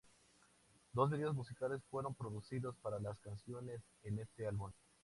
Dos videos musicales fueron producidos para las canciones en este álbum.